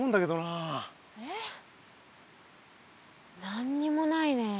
何にもないね。